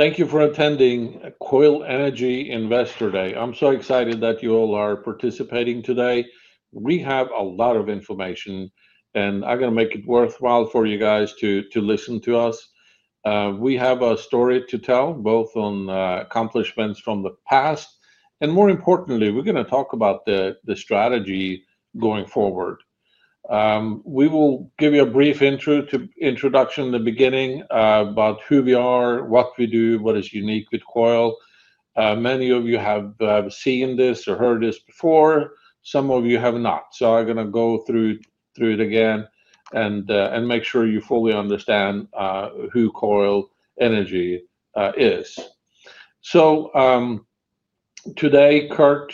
Thank you for attending Koil Energy Investor Day. I'm so excited that you all are participating today. We have a lot of information. I'm gonna make it worthwhile for you guys to listen to us. We have a story to tell, both on accomplishments from the past, and more importantly, we're gonna talk about the strategy going forward. We will give you a brief introduction in the beginning about who we are, what we do, what is unique with Koil. Many of you have seen this or heard this before. Some of you have not. I'm gonna go through it again and make sure you fully understand who Koil Energy is. Today, Kurt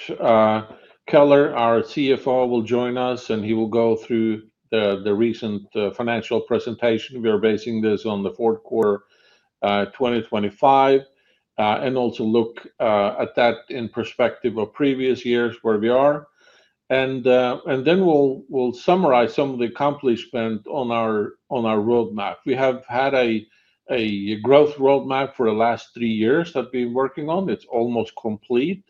Keller, our CFO, will join us and he will go through the recent financial presentation. We are basing this on the fourth quarter 2025 and also look at that in perspective of previous years where we are. Then we'll summarize some of the accomplishment on our roadmap. We have had a growth roadmap for the last three years that we've been working on. It's almost complete.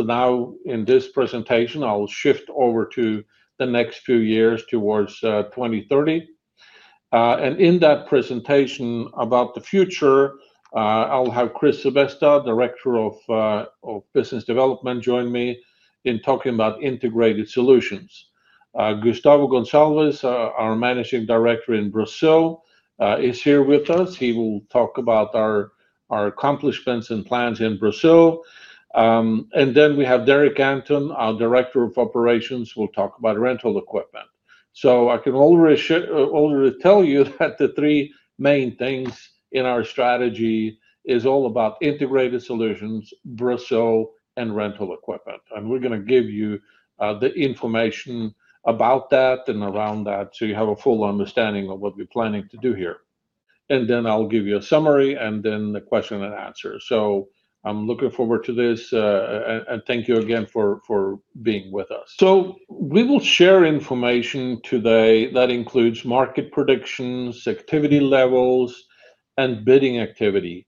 Now in this presentation, I will shift over to the next few years towards 2030. In that presentation about the future, I'll have Chris Sebesta, Director of Business Development, join me in talking about integrated solutions. Gustavo Gonçalves, our Managing Director in Brazil, is here with us. He will talk about our accomplishments and plans in Brazil. Then we have Derek Anton, our Director of Operations, will talk about rental equipment. I can already tell you that the three main things in our strategy is all about integrated solutions, Brazil, and rental equipment. We're gonna give you the information about that and around that so you have a full understanding of what we're planning to do here. Then I'll give you a summary and then the question and answer. I'm looking forward to this. Thank you again for being with us. We will share information today that includes market predictions, activity levels, and bidding activity.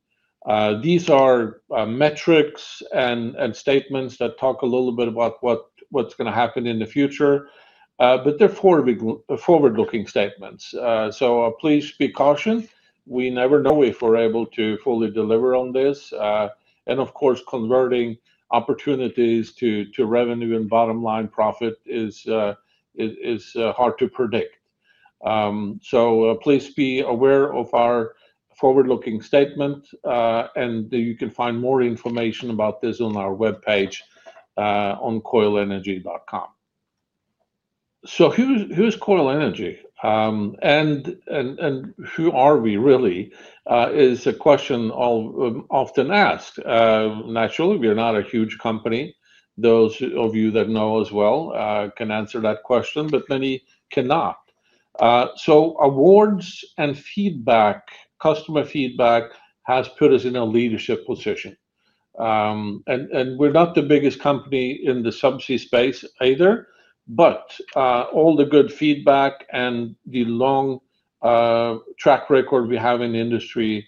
These are metrics and statements that talk a little bit about what's gonna happen in the future. Before we go, to the forward-looking statements. Please be cautious. We never know if we're able to fully deliver on this. Of course, converting opportunities to revenue and bottom line profit is hard to predict. Please be aware of our forward-looking statement. You can find more information about this on our webpage on koilenergy.com. Who's Koil Energy? Who are we really is a question I'm often asked. Naturally, we are not a huge company. Those of you that know us well can answer that question, but many cannot. Awards and feedback, customer feedback has put us in a leadership position. We're not the biggest company in the subsea space either, but all the good feedback and the long track record we have in the industry,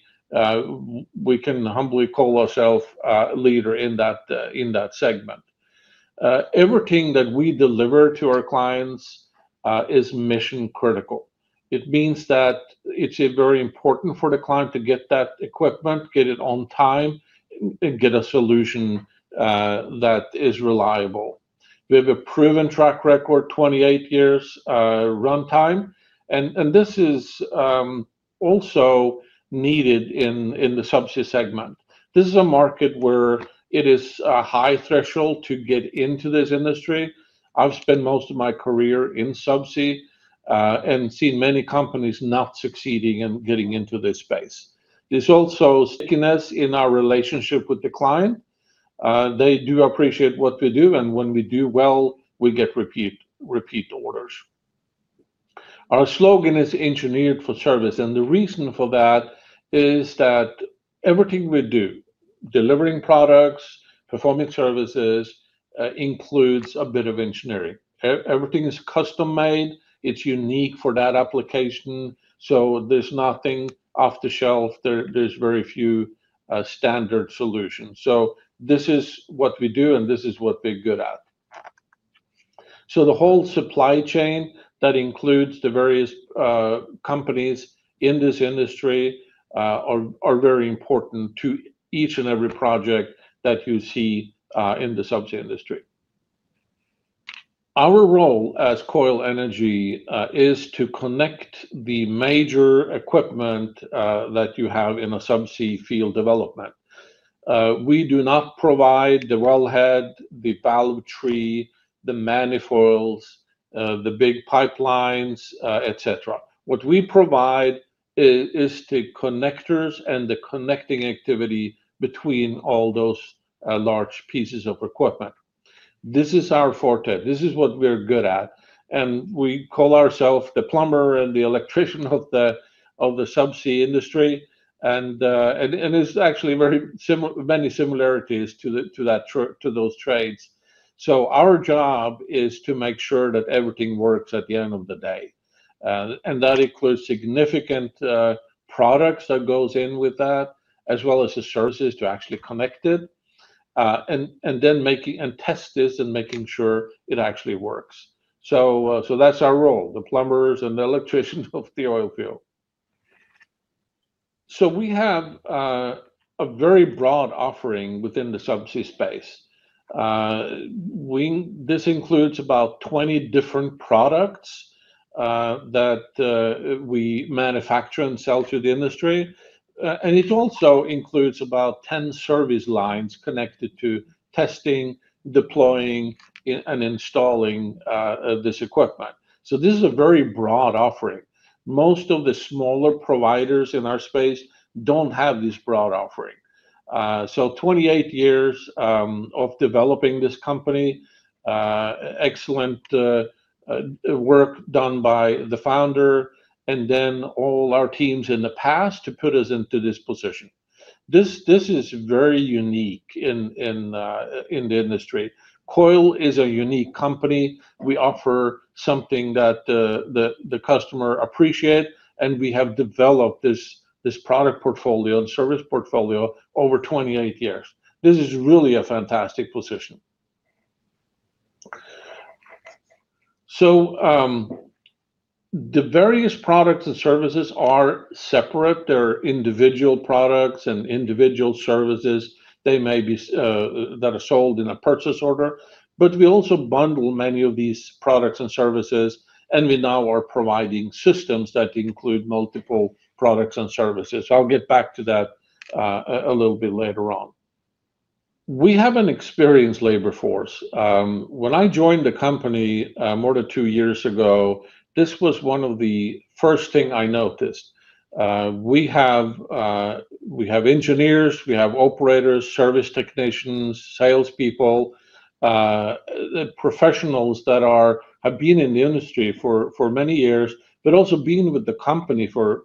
we can humbly call ourself a leader in that segment. Everything that we deliver to our clients is mission-critical. It means that it's very important for the client to get that equipment, get it on time, and get a solution that is reliable. We have a proven track record, 28 years runtime, and this is also needed in the subsea segment. This is a market where it is a high threshold to get into this industry. I've spent most of my career in subsea and seen many companies not succeeding in getting into this space. There's also stickiness in our relationship with the client. They do appreciate what we do, and when we do well, we get repeat orders. Our slogan is Engineered for Service, and the reason for that is that everything we do, delivering products, performing services, includes a bit of engineering. Everything is custom-made. It's unique for that application, so there's nothing off the shelf. There's very few standard solutions. This is what we do, and this is what we're good at. The whole supply chain that includes the various companies in this industry, are very important to each and every project that you see in the subsea industry. Our role as Koil Energy is to connect the major equipment that you have in a subsea field development. We do not provide the wellhead, the valve tree, the manifolds, the big pipelines, et cetera. What we provide is the connectors and the connecting activity between all those large pieces of equipment. This is our forte. This is what we're good at. We call ourself the plumber and the electrician of the subsea industry. There's actually many similarities to those trades. Our job is to make sure that everything works at the end of the day. That includes significant products that goes in with that, as well as the services to actually connect it. Then test this and make sure it actually works. That's our role, the plumbers and the electricians of the oil field. We have a very broad offering within the subsea space. This includes about 20 different products that we manufacture and sell to the industry. It also includes about 10 service lines connected to testing, deploying, and installing this equipment. This is a very broad offering. Most of the smaller providers in our space don't have this broad offering. 28 years of developing this company, excellent work done by the founder, and then all our teams in the past to put us into this position. This is very unique in the industry. Koil is a unique company. We offer something that the customer appreciate and we have developed this product portfolio and service portfolio over 28 years. This is really a fantastic position. The various products and services are separate. They're individual products and individual services. They may be, that are sold in a purchase order. We also bundle many of these products and services, and we now are providing systems that include multiple products and services. I'll get back to that a little bit later on. We have an experienced labor force. When I joined the company more than two years ago, this was one of the first thing I noticed. We have engineers, we have operators, service technicians, salespeople, professionals that have been in the industry for many years, but also been with the company for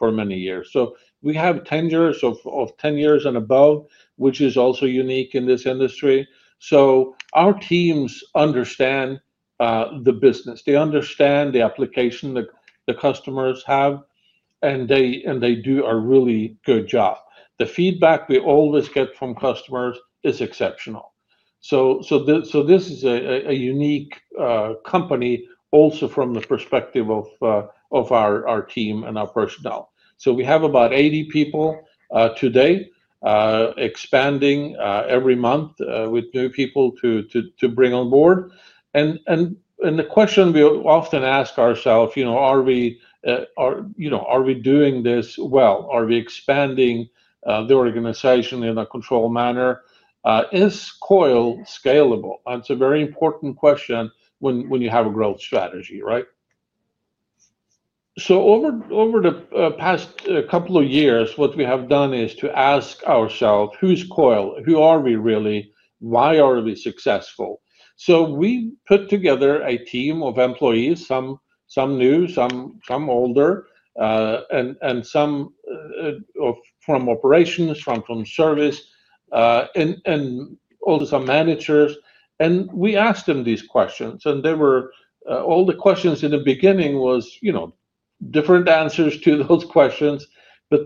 many years. We have tenures of 10 years and above, which is also unique in this industry. Our teams understand the business. They understand the application the customers have, and they do a really good job. The feedback we always get from customers is exceptional. This is a unique company also from the perspective of our team and our personnel. We have about 80 people today, expanding every month with new people to bring on board. The question we often ask ourself, you know, are we, you know, are we doing this well? Are we expanding the organization in a controlled manner? Is Koil scalable? That's a very important question when you have a growth strategy, right? Over the past couple of years, what we have done is to ask ourself who's Koil? Who are we really? Why are we successful? We put together a team of employees, some new, some older, and some from operations, from service, and also some managers, and we asked them these questions, all the questions in the beginning was, you know, different answers to those questions.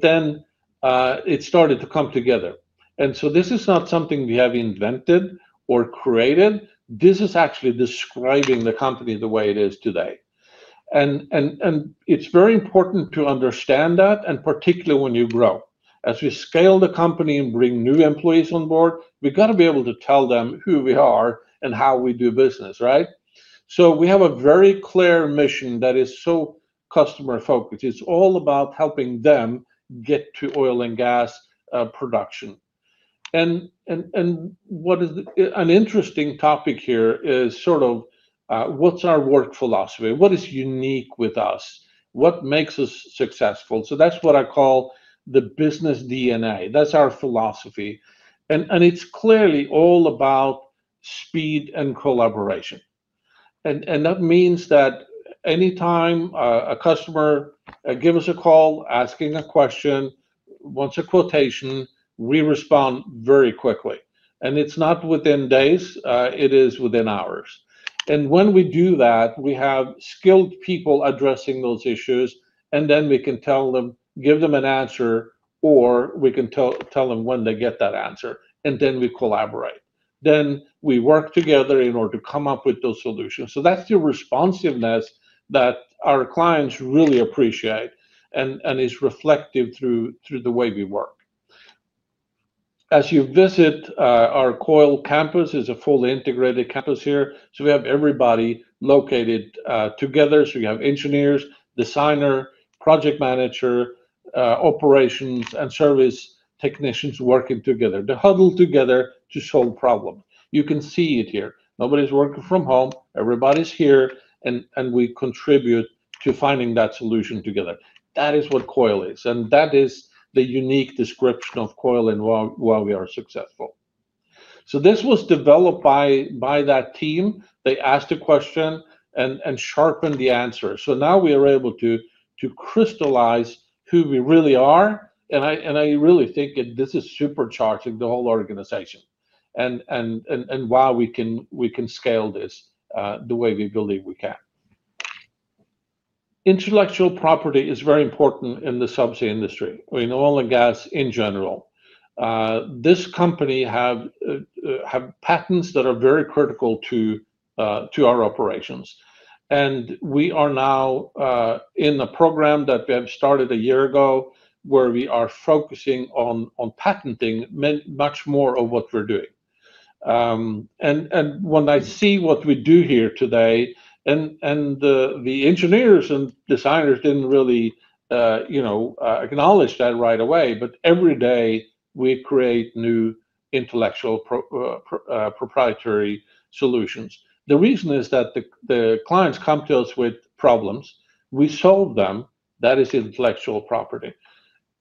Then, it started to come together. This is not something we have invented or created. This is actually describing the company the way it is today. It's very important to understand that, particularly when you grow. As we scale the company and bring new employees on board, we've got to be able to tell them who we are and how we do business, right? We have a very clear mission that is so customer-focused. It's all about helping them get to oil and gas production. What's an interesting topic here is sort of what's our work philosophy? What is unique with us? What makes us successful? That's what I call the business DNA. That's our philosophy. It's clearly all about speed and collaboration. That means that anytime a customer give us a call asking a question, wants a quotation, we respond very quickly. It's not within days, it is within hours. When we do that, we have skilled people addressing those issues, and then we can tell them, give them an answer, or we can tell them when they get that answer, and then we collaborate. We work together in order to come up with those solutions. That's the responsiveness that our clients really appreciate and is reflective through the way we work. As you visit our Koil campus, it's a fully integrated campus here. We have everybody located together. You have engineers, designer, project manager, operations, and service technicians working together. They huddle together to solve problem, you can see it here. Nobody's working from home. Everybody's here, and we contribute to finding that solution together. That is what Koil is, and that is the unique description of Koil and why we are successful. This was developed by that team. They asked a question and sharpened the answer. Now we are able to crystallize who we really are, and I really think this is supercharging the whole organization. While we can scale this the way we believe we can. Intellectual property is very important in the subsea industry, in oil and gas in general. This company have patents that are very critical to our operations. We are now in a program that we have started a year ago where we are focusing on patenting much more of what we're doing. When I see what we do here today and the engineers and designers didn't really, you know, acknowledge that right away, but every day we create new intellectual proprietary solutions. The reason is that the clients come to us with problems, we solve them, that is intellectual property.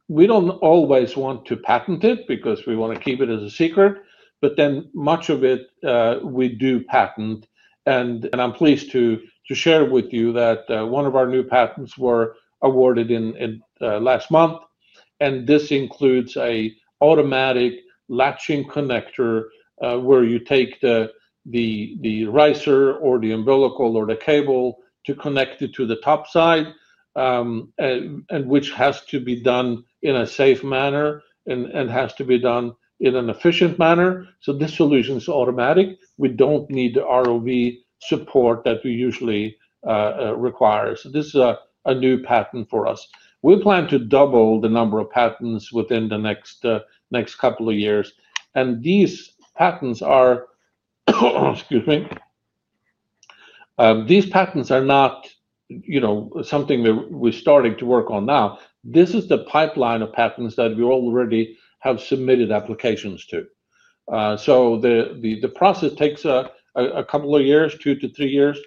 We don't always want to patent it because we wanna keep it as a secret, but then much of it we do patent. I'm pleased to share with you that one of our new patents were awarded last month, and this includes a automatic latching connector, where you take the riser or the umbilical or the cable to connect it to the top side, which has to be done in a safe manner and has to be done in an efficient manner. This solution's automatic. We don't need the ROV support that we usually require. This is a new patent for us. We plan to double the number of patents within the next couple of years. Excuse me. These patents are not, you know, something that we're starting to work on now. This is the pipeline of patents that we already have submitted applications to. The process takes a couple of years, two to three years.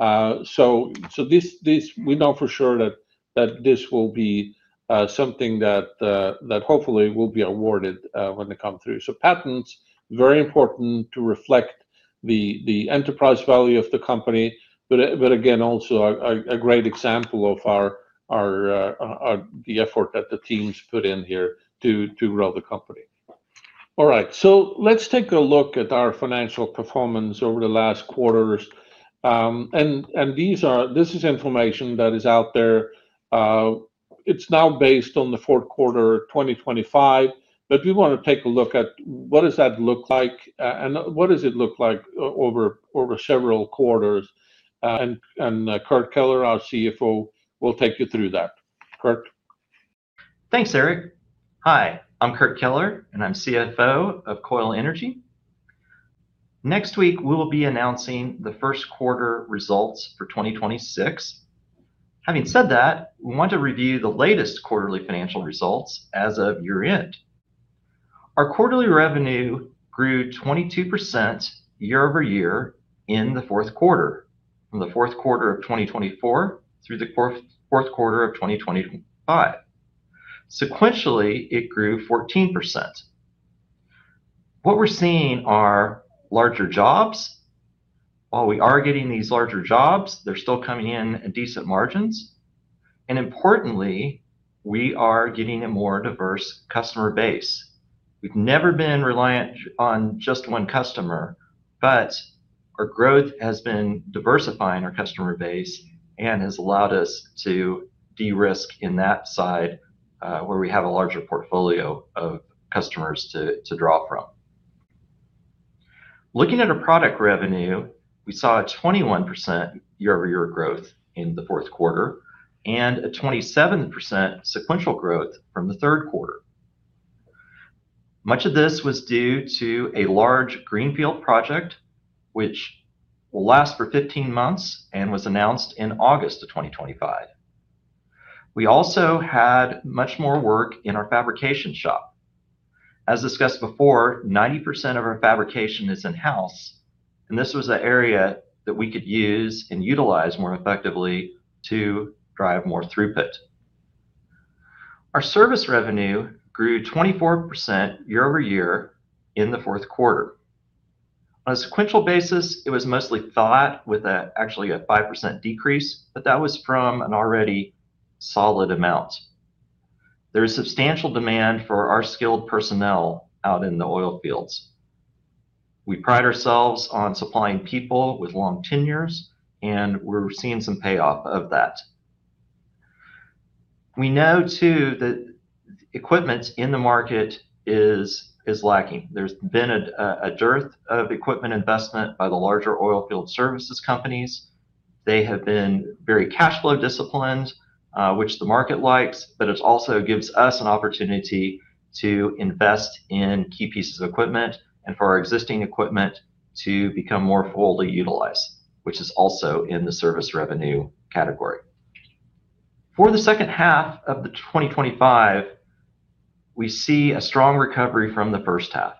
This we know for sure that this will be something that hopefully will be awarded when they come through. Patents, very important to reflect the enterprise value of the company, but again, also a great example of the effort that the teams put in here to grow the company. All right. Let's take a look at our financial performance over the last quarters. This is information that is out there. It's now based on the fourth quarter 2025. We wanna take a look at what does that look like, and what does it look like over several quarters. Kurt Keller, our CFO, will take you through that. Kurt? Thanks, Erik. Hi, I'm Kurt Keller, and I'm CFO of Koil Energy. Next week, we will be announcing the first quarter results for 2026. Having said that, we want to review the latest quarterly financial results as of year-end. Our quarterly revenue grew 22% year-over-year in the fourth quarter, from the fourth quarter of 2024 through the fourth quarter of 2025. Sequentially, it grew 14%. What we're seeing are larger jobs. While we are getting these larger jobs, they're still coming in at decent margins. Importantly, we are getting a more diverse customer base. We've never been reliant on just one customer, our growth has been diversifying our customer base and has allowed us to de-risk in that side, where we have a larger portfolio of customers to draw from. Looking at our product revenue, we saw a 21% year-over-year growth in the fourth quarter and a 27% sequential growth from the third quarter. Much of this was due to a large greenfield project, which will last for 15 months and was announced in August of 2025. We also had much more work in our fabrication shop. As discussed before, 90% of our fabrication is in-house, and this was an area that we could use and utilize more effectively to drive more throughput. Our service revenue grew 24% year-over-year in the fourth quarter. On a sequential basis, it was mostly flat with a actually a 5% decrease, but that was from an already solid amount. There is substantial demand for our skilled personnel out in the oil fields. We pride ourselves on supplying people with long tenures. We're seeing some payoff of that. We know too that equipment in the market is lacking. There's been a dearth of equipment investment by the larger oil field services companies. They have been very cash flow disciplined, which the market likes, but it also gives us an opportunity to invest in key pieces of equipment and for our existing equipment to become more fully utilized, which is also in the service revenue category. For the second half of 2025, we see a strong recovery from the first half.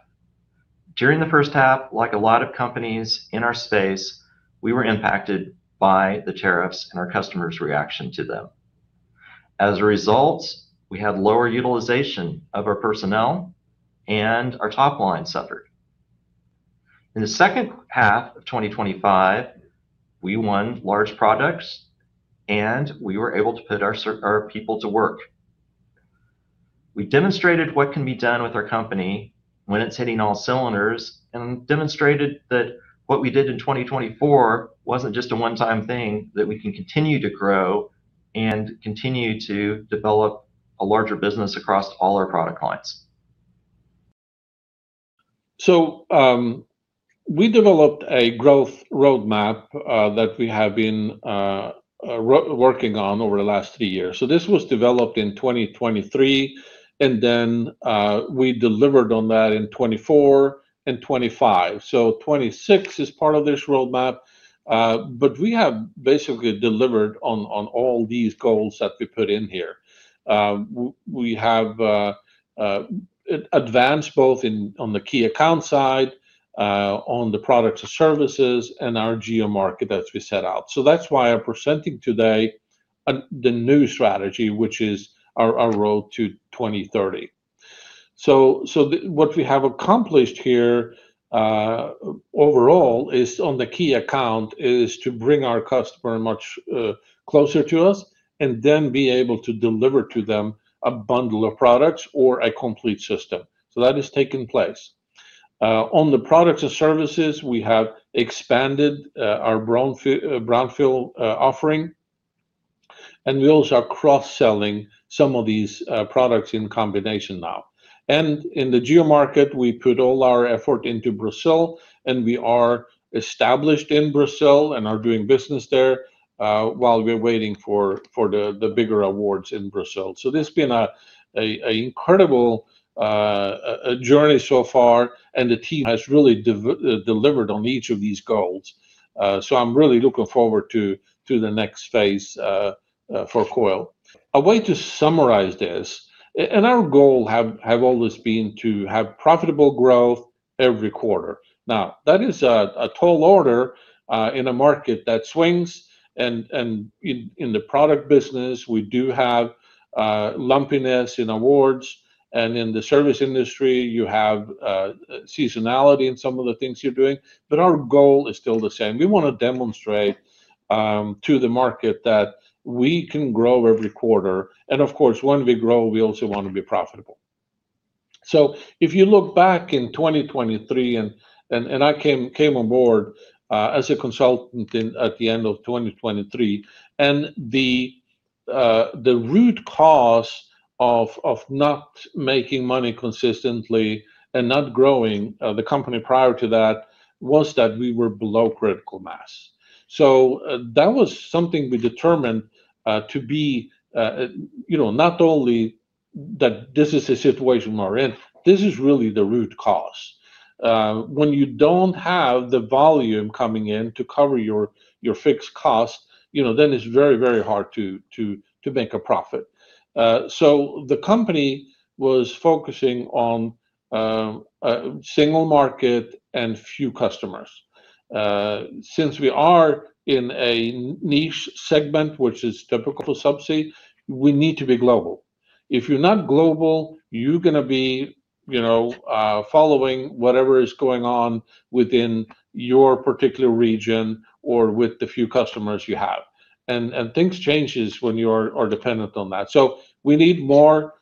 During the first half, like a lot of companies in our space, we were impacted by the tariffs and our customers' reaction to them. As a result, we had lower utilization of our personnel and our top line suffered. In the second half of 2025, we won large products, and we were able to put our people to work. We demonstrated what can be done with our company when it's hitting all cylinders, and demonstrated that what we did in 2024 wasn't just a one-time thing, that we can continue to grow and continue to develop a larger business across all our product lines. We developed a growth roadmap that we have been working on over the last three years. This was developed in 2023, and then we delivered on that in 2024 and 2025. 2026 is part of this roadmap, but we have basically delivered on all these goals that we put in here. We have advanced both in, on the key account side, on the products and services, and our geo market that we set out. That's why I'm presenting today the new strategy, which is our road to 2030. What we have accomplished here overall, is on the key account, is to bring our customer much closer to us, and then be able to deliver to them a bundle of products or a complete system. That is taking place. On the products and services, we have expanded our brownfield offering, and we also are cross-selling some of these products in combination now. In the geo market, we put all our effort into Brazil, and we are established in Brazil and are doing business there, while we're waiting for the bigger awards in Brazil. It's been an incredible journey so far and the team has really delivered on each of these goals. I'm really looking forward to the next phase for Koil. A way to summarize this and our goal have always been to have profitable growth every quarter. Now, that is a tall order in a market that swings and in the product business, we do have lumpiness in awards, and in the service industry, you have seasonality in some of the things you're doing. Our goal is still the same. We wanna demonstrate to the market that we can grow every quarter, and of course, when we grow, we also want to be profitable. If you look back in 2023 and I came on board as a consultant at the end of 2023. The root cause of not making money consistently and not growing the company prior to that, was that we were below critical mass. That was something we determined to be, you know, not only that this is the situation we are in, this is really the root cause. When you don't have the volume coming in to cover your fixed cost, you know, it's very, very hard to make a profit. The company was focusing on a single market and few customers. Since we are in a niche segment, which is typical subsea, we need to be global. If you're not global, you're gonna be, you know, following whatever is going on within your particular region or with the few customers you have. Things changes when you are dependent on that. We need more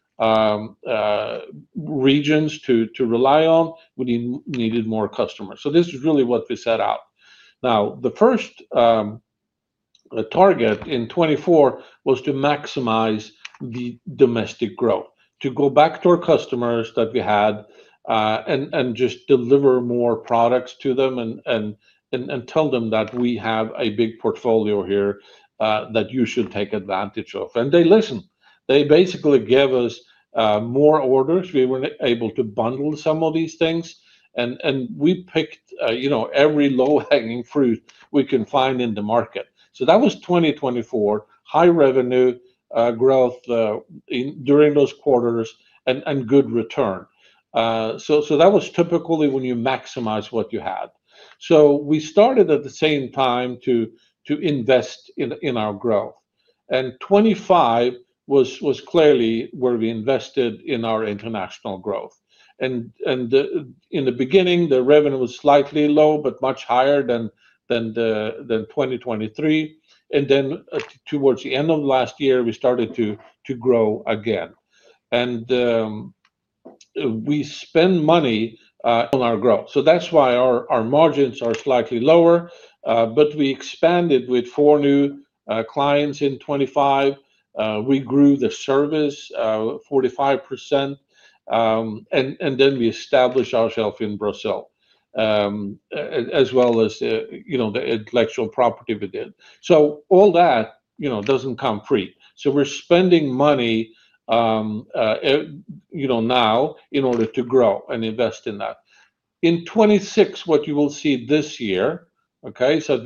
regions to rely on. We needed more customers. This is really what we set out. The first target in 2024 was to maximize the domestic growth. To go back to our customers that we had and just deliver more products to them and tell them that we have a big portfolio here that you should take advantage of. They listened. They basically gave us more orders. We were able to bundle some of these things and we picked, you know, every low-hanging fruit we can find in the market. That was 2024, high revenue growth during those quarters and good return. So that was typically when you maximize what you had. We started at the same time to invest in our growth. 2025 was clearly where we invested in our international growth. In the beginning, the revenue was slightly low, but much higher than 2023. Towards the end of last year, we started to grow again. We spend money on our growth. That's why our margins are slightly lower. We expanded with four new clients in 2025. We grew the service 45%. Then we established ourself in Brazil, as well as, you know, the intellectual property we did. All that, you know, doesn't come free. We're spending money, you know, now in order to grow and invest in that. In 2026, what you will see this year, we're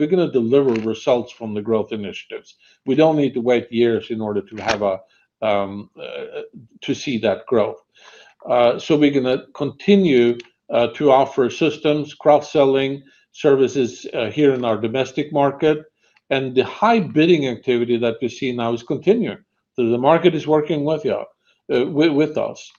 gonna deliver results from the growth initiatives. We don't need to wait years in order to have to see that growth. We're gonna continue to offer systems, cross-selling services here in our domestic market. The high bidding activity that we see now is continuing. The market is working with us.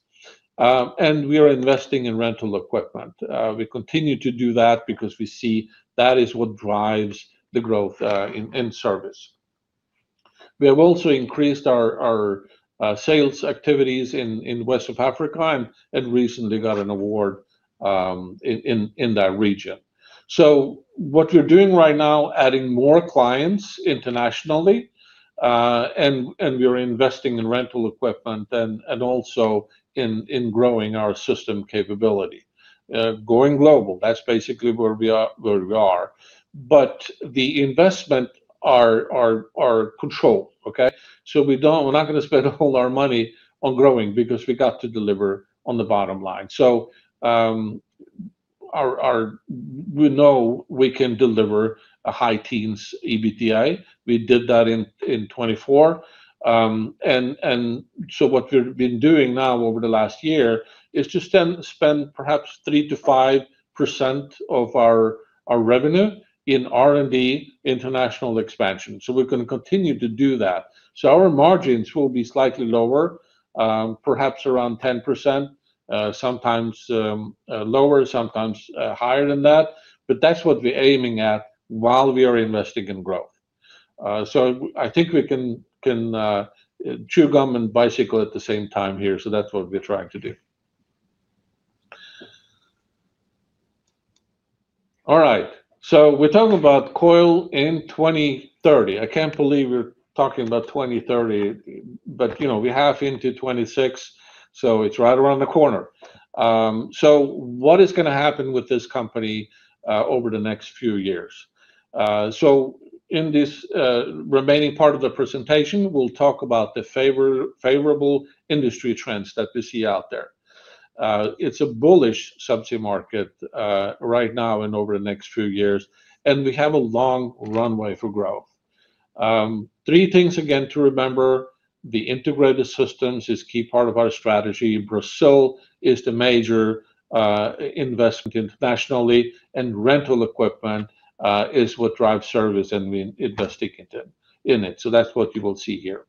We are investing in rental equipment. We continue to do that because we see that is what drives the growth in service. We have also increased our sales activities in West of Africa and recently got an award in that region. What we're doing right now, adding more clients internationally, and we are investing in rental equipment and also in growing our system capability. Going global, that's basically where we are. The investment are controlled, okay? We're not gonna spend all our money on growing because we got to deliver on the bottom line. We know we can deliver a high teens EBITDA. We did that in 2024. What we've been doing now over the last year is to spend perhaps 3%-5% of our revenue in R&D, international expansion. We're gonna continue to do that. Our margins will be slightly lower, perhaps around 10%, sometimes lower, sometimes higher than that, but that's what we're aiming at while we are investing in growth. I think we can chew gum and bicycle at the same time here, so that's what we're trying to do. All right. We're talking about Koil Energy in 2030. I can't believe we're talking about 2030, but you know, we're half into 2026, so it's right around the corner. What is gonna happen with this company over the next few years? In this remaining part of the presentation, we'll talk about the favorable industry trends that we see out there. It's a bullish subsea market right now and over the next few years, and we have a long runway for growth. Three things again to remember, the integrated systems is key part of our strategy. Brazil is the major investment internationally, and rental equipment is what drives service, and we are investing in it. That's what you will see here.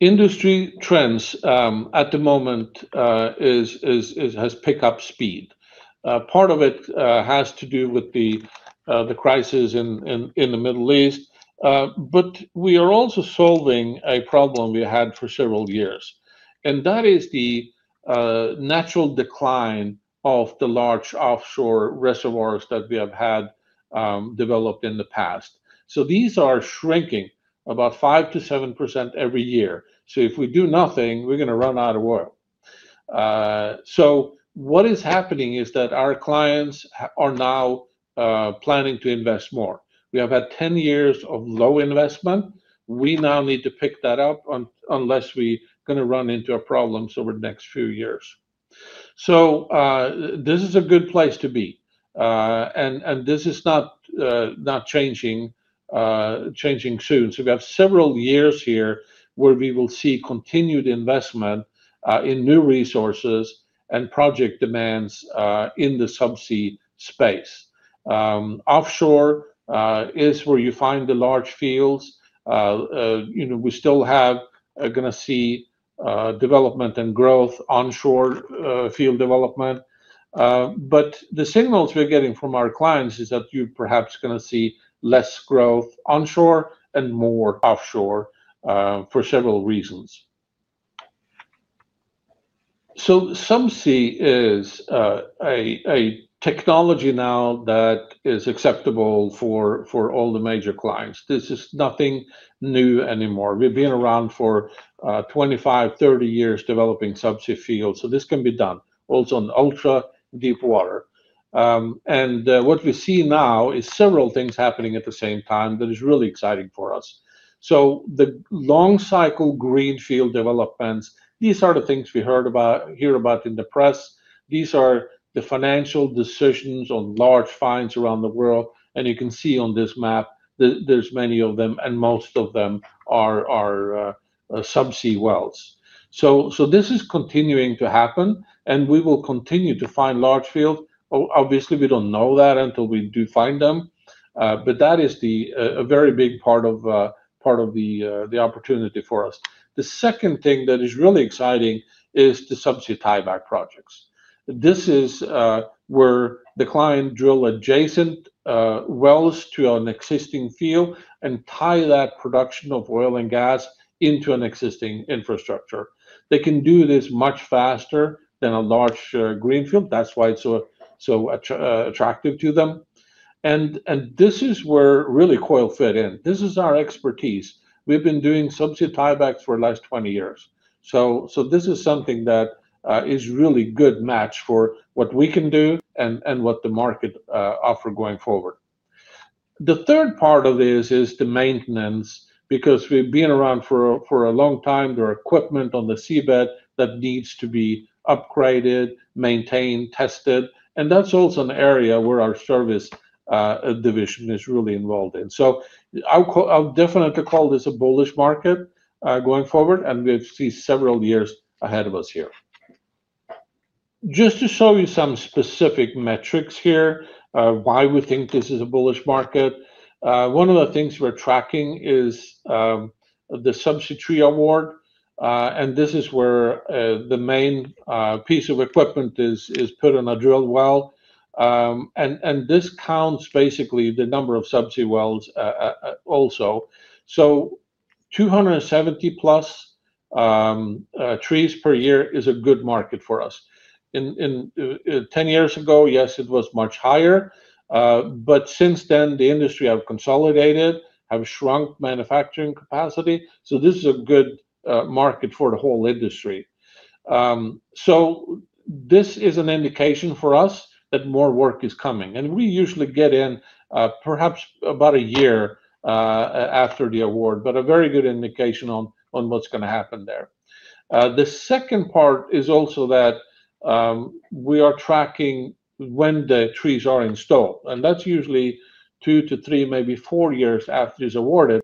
Industry trends at the moment has picked up speed. Part of it has to do with the crisis in the Middle East. We are also solving a problem we had for several years, and that is the natural decline of the large offshore reservoirs that we have had developed in the past. These are shrinking about 5%-7% every year. If we do nothing, we're gonna run out of oil. What is happening is that our clients are now planning to invest more. We have had 10 years of low investment. We now need to pick that up unless we gonna run into our problems over the next few years. This is a good place to be, and this is not changing soon. We have several years here where we will see continued investment in new resources and project demands in the subsea space. Offshore is where you find the large fields. You know, we still have gonna see development and growth, onshore field development. The signals we're getting from our clients is that you're perhaps gonna see less growth onshore and more offshore for several reasons. Subsea is a technology now that is acceptable for all the major clients. This is nothing new anymore. We've been around for 25, 30 years developing subsea fields, so this can be done also in ultra-deep water. What we see now is several things happening at the same time that is really exciting for us. The long-cycle greenfield developments, these are the things we hear about in the press. These are the financial decisions on large finds around the world, and you can see on this map there's many of them, and most of them are subsea wells. This is continuing to happen, and we will continue to find large field. Obviously, we don't know that until we do find them, but that is a very big part of the opportunity for us. The second thing that is really exciting is the subsea tieback projects. This is where the client drill adjacent wells to an existing field and tie that production of oil and gas into an existing infrastructure. They can do this much faster than a large greenfield. That's why it's so attractive to them. This is where really Koil fit in. This is our expertise. We've been doing subsea tiebacks for the last 20 years. This is something that is really good match for what we can do and what the market offer going forward. The third part of this is the maintenance because we've been around for a long time. There are equipment on the seabed that needs to be upgraded, maintained, tested, and that's also an area where our service division is really involved in. I'll definitely call this a bullish market going forward, and we see several years ahead of us here. Just to show you some specific metrics here, why we think this is a bullish market. One of the things we're tracking is the subsea tree award, and this is where the main piece of equipment is put in a drilled well. And this counts basically the number of subsea wells also. 270+ trees per year is a good market for us. 10 years ago, yes, it was much higher. But since then, the industry have consolidated, have shrunk manufacturing capacity, so this is a good market for the whole industry. This is an indication for us that more work is coming, and we usually get in perhaps about a year after the award, but a very good indication on what's gonna happen there. The second part is also that, we are tracking when the trees are installed, and that's usually two to three, maybe four years after it's awarded,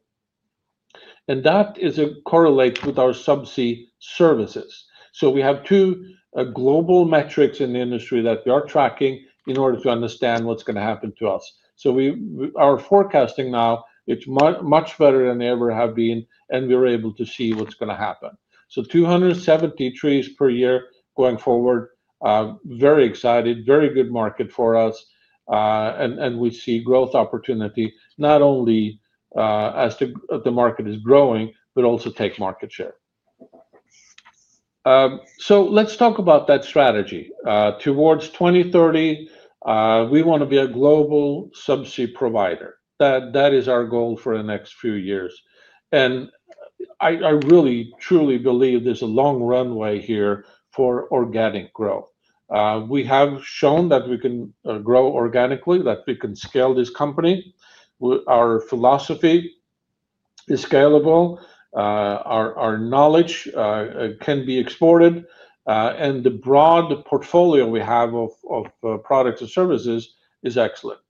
and that is a correlate with our subsea services. We have two global metrics in the industry that we are tracking in order to understand what's gonna happen to us. We, our forecasting now, it's much better than they ever have been, and we're able to see what's gonna happen. 270 trees per year going forward, very excited, very good market for us. And we see growth opportunity not only as the market is growing, but also take market share. Let's talk about that strategy. Towards 2030, we wanna be a global subsea provider. That is our goal for the next few years. I really truly believe there's a long runway here for organic growth. We have shown that we can grow organically, that we can scale this company. Our philosophy is scalable. Our knowledge can be exported. The broad portfolio we have of products and services is excellent.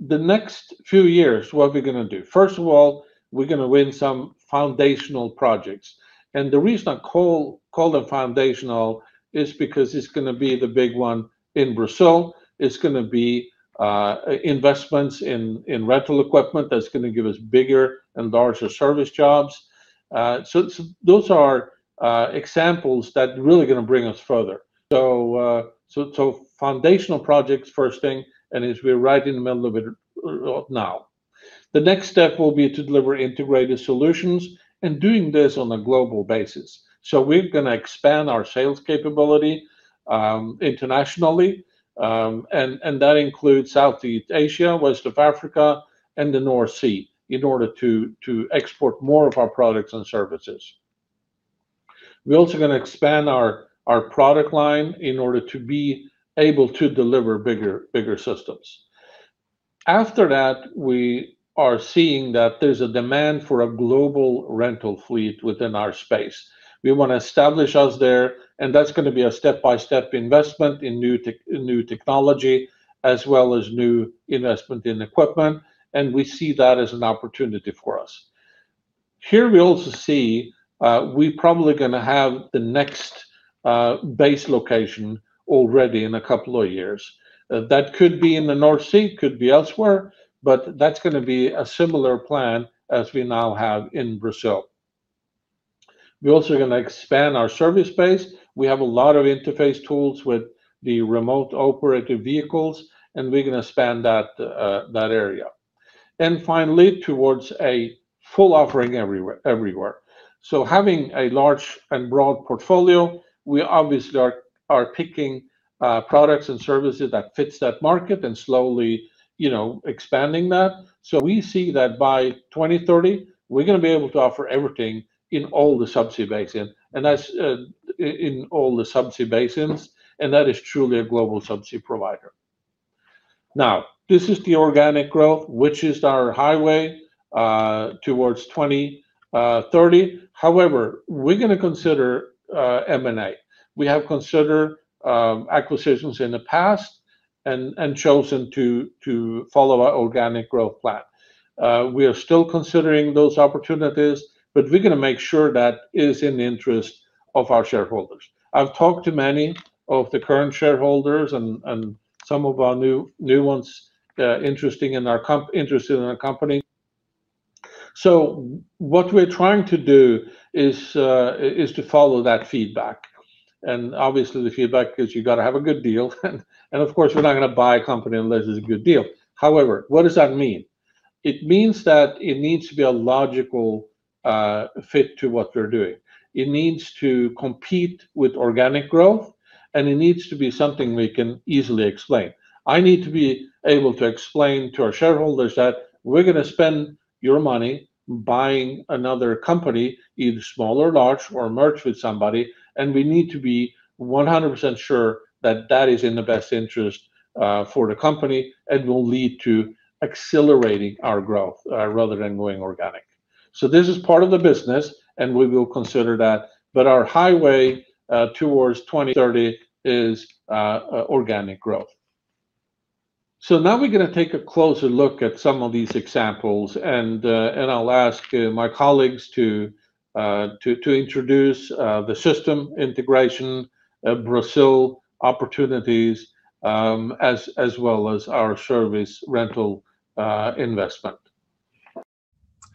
The next few years, what we're gonna do? First of all, we're gonna win some foundational projects, the reason I call them foundational is because it's gonna be the big one in Brazil. It's gonna be investments in rental equipment that's gonna give us bigger and larger service jobs. Those are examples that really gonna bring us further. Foundational projects first thing, and is we're right in the middle of it now. The next step will be to deliver integrated solutions and doing this on a global basis. We're gonna expand our sales capability internationally, and that includes Southeast Asia, West of Africa, and the North Sea in order to export more of our products and services. We're also gonna expand our product line in order to be able to deliver bigger systems. After that, we are seeing that there's a demand for a global rental fleet within our space. We wanna establish us there, and that's gonna be a step-by-step investment in new technology, as well as new investment in equipment, and we see that as an opportunity for us. Here, we also see, we probably gonna have the next base location already in a couple of years. That could be in the North Sea, could be elsewhere, but that's gonna be a similar plan as we now have in Brazil. We're also gonna expand our service base. We have a lot of interface tools with the remotely operated vehicles, we're gonna expand that area. Finally, towards a full offering everywhere. Having a large and broad portfolio, we obviously are picking products and services that fits that market and slowly, you know, expanding that. We see that by 2030, we're gonna be able to offer everything in all the subsea basin, and that's in all the subsea basins, and that is truly a global subsea provider. This is the organic growth, which is our highway towards 2030. We're gonna consider M&A. We have considered acquisitions in the past and chosen to follow our organic growth plan. We are still considering those opportunities, but we're gonna make sure that is in the interest of our shareholders. I've talked to many of the current shareholders and some of our new ones interested in our company. What we're trying to do is to follow that feedback, and obviously the feedback is you gotta have a good deal. Of course, we're not gonna buy a company unless it's a good deal. What does that mean? It means that it needs to be a logical fit to what we're doing. It needs to compete with organic growth, and it needs to be something we can easily explain. I need to be able to explain to our shareholders that we're gonna spend your money buying another company, either small or large, or merge with somebody, and we need to be 100% sure that that is in the best interest for the company and will lead to accelerating our growth rather than going organic. This is part of the business, and we will consider that. Our highway towards 2030 is organic growth. Now we're gonna take a closer look at some of these examples, and I'll ask my colleagues to introduce the system integration, Brazil opportunities, as well as our service rental investment.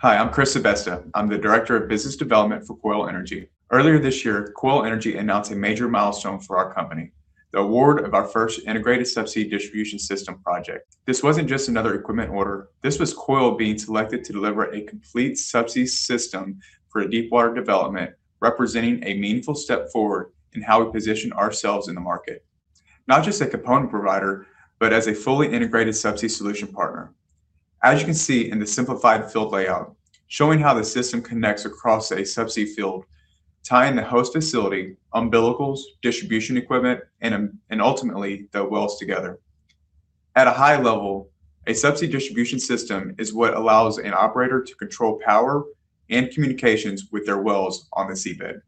Hi, I'm Chris Sebesta. I'm the Director of Business Development for Koil Energy. Earlier this year, Koil Energy announced a major milestone for our company, the award of our first integrated subsea distribution system project. This wasn't just another equipment order. This was Koil being selected to deliver a complete subsea system for a deepwater development, representing a meaningful step forward in how we position ourselves in the market, not just a component provider, but as a fully integrated subsea solution partner. As you can see in the simplified field layout, showing how the system connects across a subsea field, tying the host facility, umbilicals, distribution equipment, and ultimately the wells together. At a high level, a subsea distribution system is what allows an operator to control power and communications with their wells on the seabed.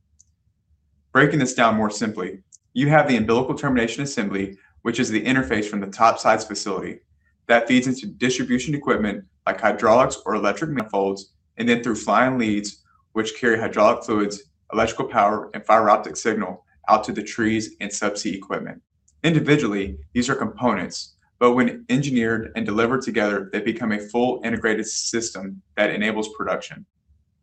Breaking this down more simply, you have the umbilical termination assembly, which is the interface from the top sides facility that feeds into distribution equipment like hydraulics or electric manifolds, and then through flying leads, which carry hydraulic fluids, electrical power, and fiber optic signal out to the trees and subsea equipment. Individually, these are components, but when engineered and delivered together, they become a full integrated system that enables production.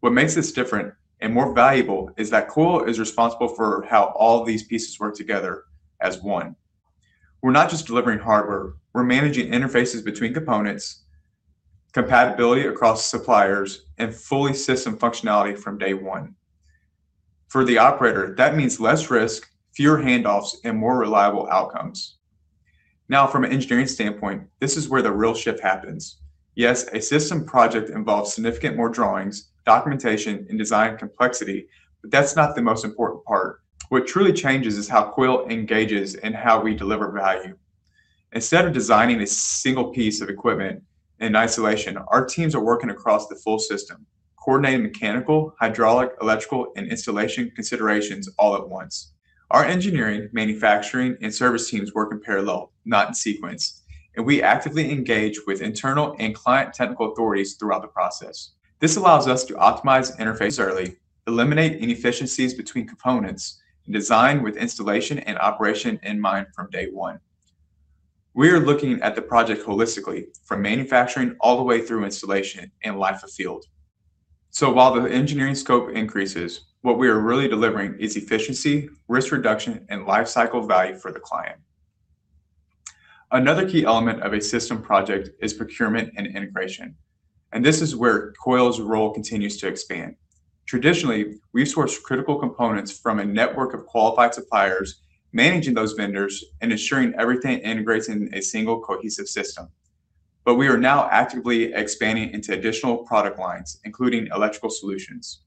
What makes this different and more valuable is that Koil is responsible for how all these pieces work together as one. We're not just delivering hardware. We're managing interfaces between components, compatibility across suppliers, and fully system functionality from day one. For the operator, that means less risk, fewer handoffs, and more reliable outcomes. Now, from an engineering standpoint, this is where the real shift happens. Yes, a system project involves significant more drawings, documentation, and design complexity, but that's not the most important part. What truly changes is how Koil engages and how we deliver value. Instead of designing a single piece of equipment in isolation, our teams are working across the full system, coordinating mechanical, hydraulic, electrical, and installation considerations all at once. Our engineering, manufacturing, and service teams work in parallel, not in sequence, and we actively engage with internal and client technical authorities throughout the process. This allows us to optimize interface early, eliminate inefficiencies between components, and design with installation and operation in mind from day one. We are looking at the project holistically from manufacturing all the way through installation and life of field. While the engineering scope increases, what we are really delivering is efficiency, risk reduction, and lifecycle value for the client. Another key element of a system project is procurement and integration. This is where Koil's role continues to expand. Traditionally, we source critical components from a network of qualified suppliers, managing those vendors and ensuring everything integrates in a single cohesive system. We are now actively expanding into additional product lines, including electrical solutions.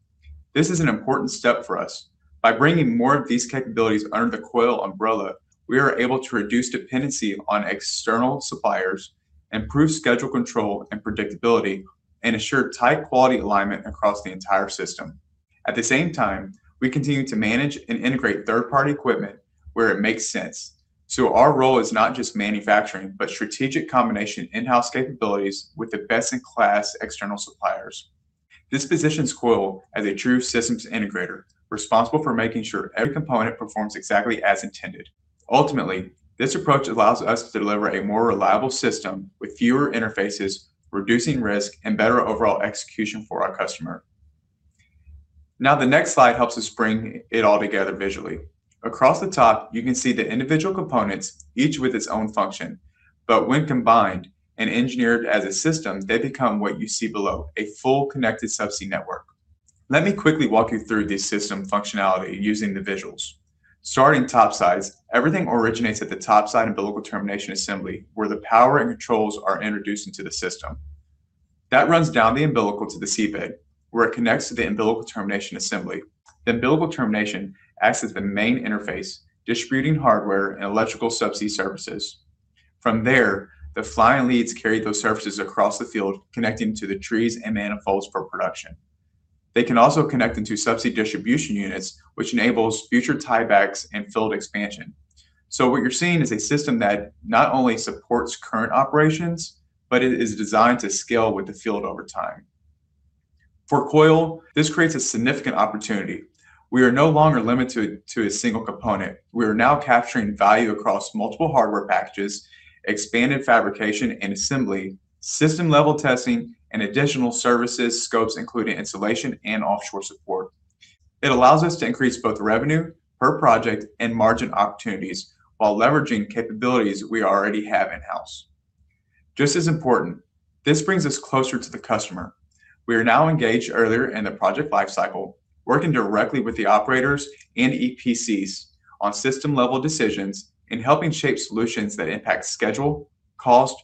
This is an important step for us. By bringing more of these capabilities under the Koil umbrella, we are able to reduce dependency on external suppliers, improve schedule control and predictability, and ensure tight quality alignment across the entire system. At the same time, we continue to manage and integrate third-party equipment where it makes sense. Our role is not just manufacturing, but strategic combination in-house capabilities with the best-in-class external suppliers. This positions Koil as a true systems integrator, responsible for making sure every component performs exactly as intended. Ultimately, this approach allows us to deliver a more reliable system with fewer interfaces, reducing risk and better overall execution for our customer. Now, the next slide helps us bring it all together visually. Across the top, you can see the individual components, each with its own function. When combined and engineered as a system, they become what you see below, a full connected subsea network. Let me quickly walk you through the system functionality using the visuals. Starting top sides, everything originates at the top side umbilical termination assembly, where the power and controls are introduced into the system. That runs down the umbilical to the seabed, where it connects to the umbilical termination assembly. The umbilical termination acts as the main interface, distributing hardware and electrical subsea services. From there, the flying leads carry those services across the field, connecting to the trees and manifolds for production. They can also connect into subsea distribution units, which enables future tiebacks and field expansion. What you're seeing is a system that not only supports current operations, but it is designed to scale with the field over time. For Koil, this creates a significant opportunity. We are no longer limited to a single component. We are now capturing value across multiple hardware packages, expanded fabrication and assembly, system-level testing, and additional services scopes, including installation and offshore support. It allows us to increase both revenue per project and margin opportunities while leveraging capabilities we already have in-house. Just as important, this brings us closer to the customer. We are now engaged earlier in the project lifecycle, working directly with the operators and EPCs on system-level decisions and helping shape solutions that impact schedule, cost,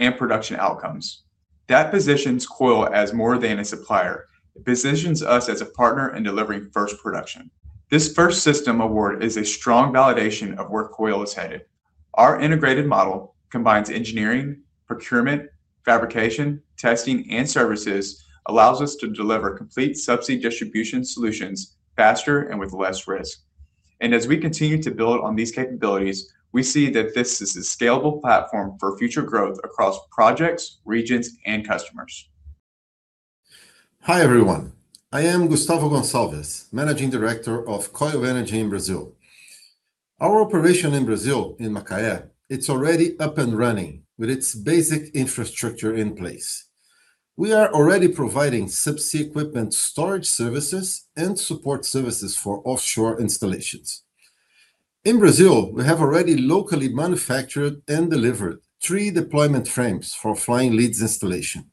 and production outcomes. That positions Koil as more than a supplier. It positions us as a partner in delivering first production. This first system award is a strong validation of where Koil is headed. Our integrated model combines engineering, procurement, fabrication, testing, and services, allows us to deliver complete subsea distribution solutions faster and with less risk. As we continue to build on these capabilities, we see that this is a scalable platform for future growth across projects, regions, and customers. Hi everyone. I am Gustavo Gonçalves, Managing Director of Koil Energy in Brazil. Our operation in Brazil, in Macaé, it's already up and running with its basic infrastructure in place. We are already providing subsea equipment storage services and support services for offshore installations. In Brazil, we have already locally manufactured and delivered three deployment frames for flying leads installation.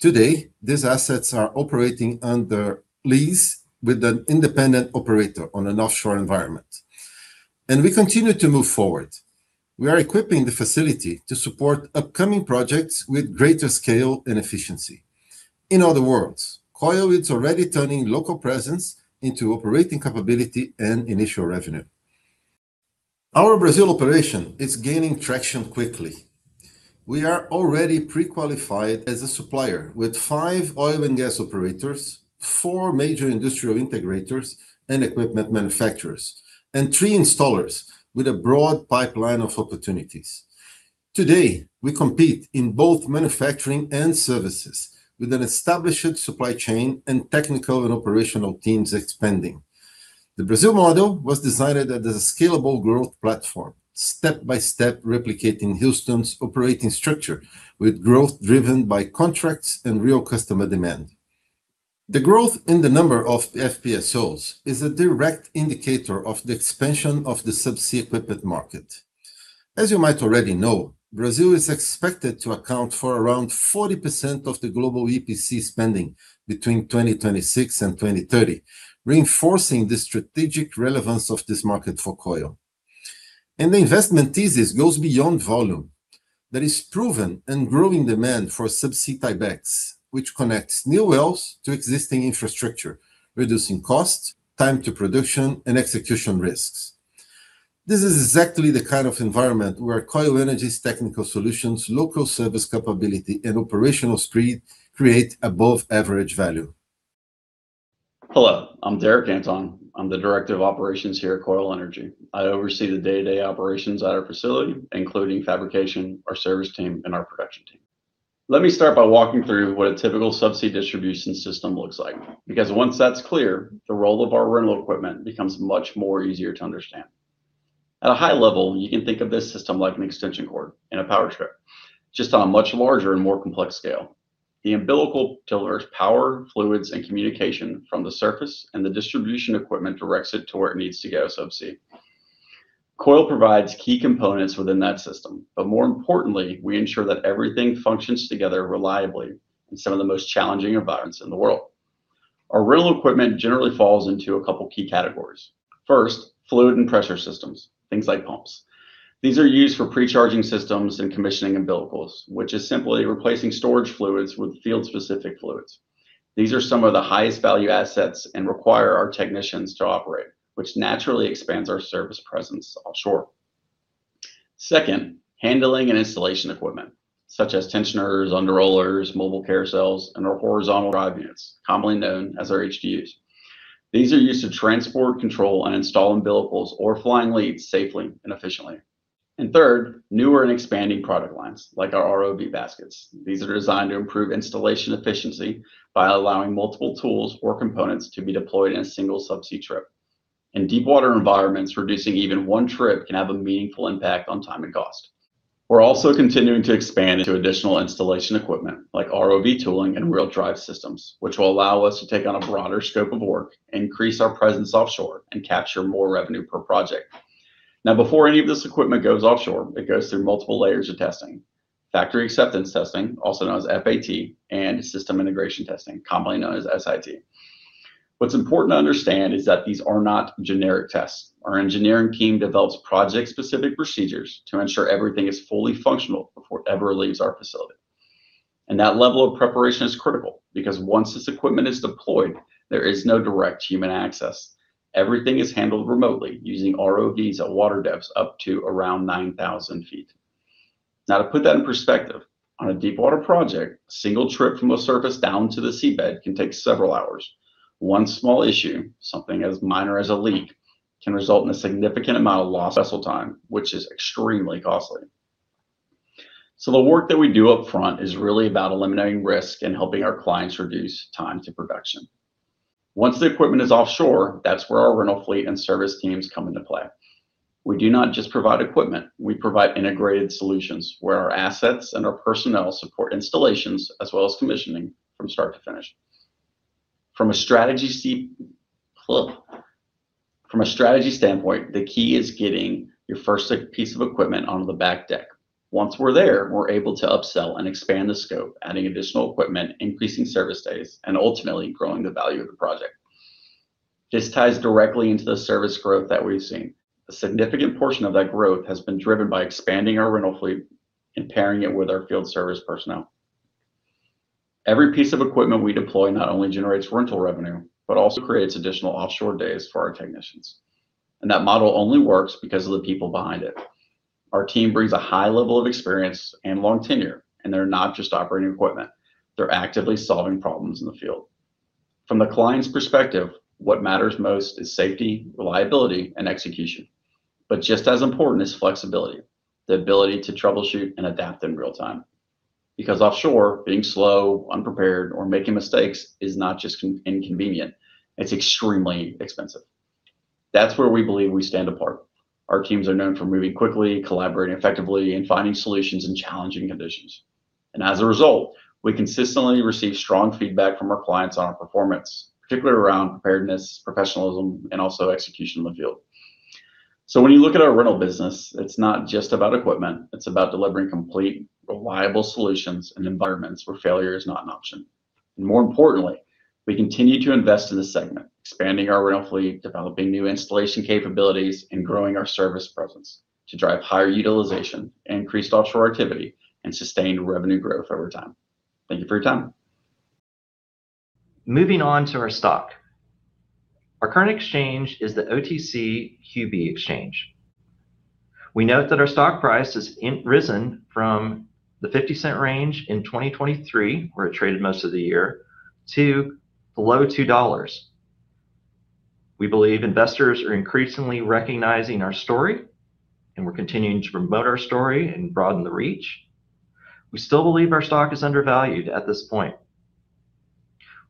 Today, these assets are operating under lease with an independent operator on an offshore environment. We continue to move forward. We are equipping the facility to support upcoming projects with greater scale and efficiency. In other words, Koil is already turning local presence into operating capability and initial revenue. Our Brazil operation is gaining traction quickly. We are already pre-qualified as a supplier with five oil and gas operators, four major industrial integrators and equipment manufacturers, and three installers with a broad pipeline of opportunities. Today, we compete in both manufacturing and services with an established supply chain and technical and operational teams expanding. The Brazil model was designed as a scalable growth platform, step-by-step replicating Houston's operating structure with growth driven by contracts and real customer demand. The growth in the number of FPSOs is a direct indicator of the expansion of the subsea equipment market. As you might already know, Brazil is expected to account for around 40% of the global EPC spending between 2026 and 2030, reinforcing the strategic relevance of this market for Koil. The investment thesis goes beyond volume. There is proven and growing demand for subsea tiebacks, which connects new wells to existing infrastructure, reducing cost, time to production, and execution risks. This is exactly the kind of environment where Koil Energy's technical solutions, local service capability, and operational [strength] create above average value. Hello, I'm Derek Anton. I'm the Director of Operations here at Koil Energy. I oversee the day-to-day operations at our facility, including fabrication, our service team, and our production team. Let me start by walking through what a typical subsea distribution system looks like, because once that's clear, the role of our rental equipment becomes much more easier to understand. At a high level, you can think of this system like an extension cord in a power strip, just on a much larger and more complex scale. The umbilical delivers power, fluids, and communication from the surface, and the distribution equipment directs it to where it needs to go subsea. Koil provides key components within that system, but more importantly, we ensure that everything functions together reliably in some of the most challenging environments in the world. Our rental equipment generally falls into a couple key categories. First, fluid and pressure systems, things like pumps. These are used for pre-charging systems and commissioning umbilicals, which is simply replacing storage fluids with field-specific fluids. These are some of the highest value assets and require our technicians to operate, which naturally expands our service presence offshore. Second, handling and installation equipment, such as tensioners, under-rollers, mobile carousels, and our horizontal drive units, commonly known as our HDUs. These are used to transport, control, and install umbilicals or flying leads safely and efficiently. Third, newer and expanding product lines, like our ROV baskets. These are designed to improve installation efficiency by allowing multiple tools or components to be deployed in a single subsea trip. In deep water environments, reducing even one trip can have a meaningful impact on time and cost. We're also continuing to expand into additional installation equipment, like ROV tooling and wheel drive systems, which will allow us to take on a broader scope of work, increase our presence offshore, and capture more revenue per project. Before any of this equipment goes offshore, it goes through multiple layers of testing. Factory acceptance testing, also known as FAT, and system integration testing, commonly known as SIT. What's important to understand is that these are not generic tests. Our engineering team develops project-specific procedures to ensure everything is fully functional before it ever leaves our facility. That level of preparation is critical because once this equipment is deployed, there is no direct human access. Everything is handled remotely using ROVs at water depths up to around 9,000 ft. To put that in perspective, on a deep water project, a single trip from the surface down to the seabed can take several hours. One small issue, something as minor as a leak, can result in a significant amount of lost vessel time, which is extremely costly. The work that we do up front is really about eliminating risk and helping our clients reduce time to production. Once the equipment is offshore, that's where our rental fleet and service teams come into play. We do not just provide equipment. We provide integrated solutions where our assets and our personnel support installations as well as commissioning from start to finish. From a strategy standpoint, the key is getting your first piece of equipment onto the back deck. Once we're there, we're able to upsell and expand the scope, adding additional equipment, increasing service days, and ultimately growing the value of the project. This ties directly into the service growth that we've seen. A significant portion of that growth has been driven by expanding our rental fleet and pairing it with our field service personnel. Every piece of equipment we deploy not only generates rental revenue, but also creates additional offshore days for our technicians. That model only works because of the people behind it Our team brings a high level of experience and long tenure, and they're not just operating equipment, they're actively solving problems in the field. From the client's perspective, what matters most is safety, reliability, and execution. Just as important is flexibility, the ability to troubleshoot and adapt in real time. Because offshore, being slow, unprepared, or making mistakes is not just inconvenient, it's extremely expensive. That's where we believe we stand apart. Our teams are known for moving quickly, collaborating effectively, and finding solutions in challenging conditions. As a result, we consistently receive strong feedback from our clients on our performance, particularly around preparedness, professionalism, and also execution in the field. When you look at our rental business, it's not just about equipment. It's about delivering complete, reliable solutions in environments where failure is not an option. More importantly, we continue to invest in this segment, expanding our rental fleet, developing new installation capabilities, and growing our service presence to drive higher utilization and increased offshore activity and sustained revenue growth over time. Thank you for your time. Moving on to our stock. Our current exchange is the OTCQB exchange. We note that our stock price has risen from the $0.50 range in 2023, where it traded most of the year, to below $2. We believe investors are increasingly recognizing our story, we're continuing to promote our story and broaden the reach. We still believe our stock is undervalued at this point.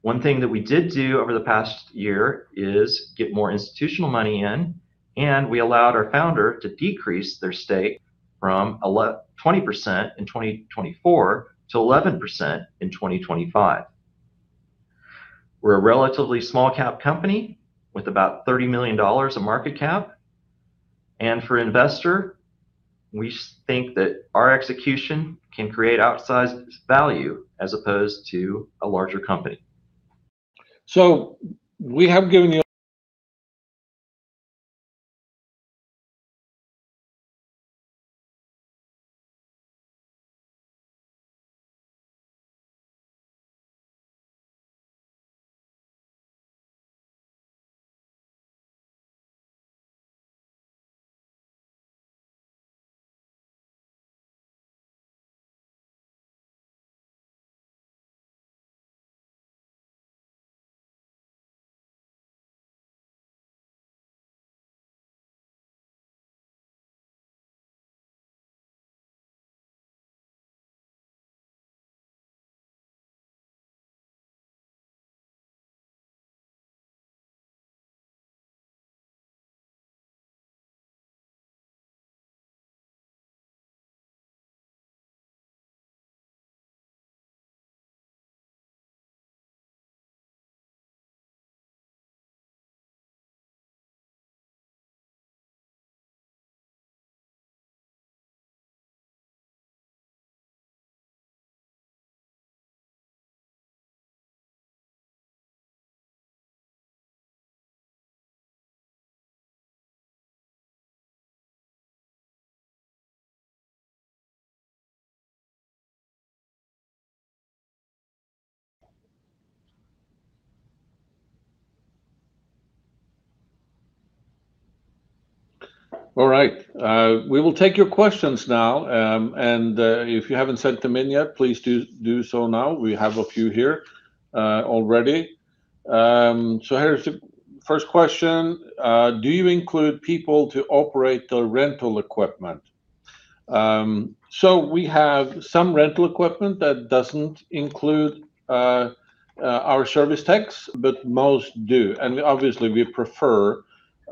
One thing that we did do over the past year is get more institutional money in, we allowed our founder to decrease their stake from 20% in 2024 to 11% in 2025. We're a relatively small cap company with about $30 million of market cap. For investor, we think that our execution can create outsized value as opposed to a larger company. We have given you. All right, we will take your questions now. If you haven't sent them in yet, please do so now. We have a few here already. Here's the first question. Do you include people to operate the rental equipment? We have some rental equipment that doesn't include our service techs, but most do. Obviously, we prefer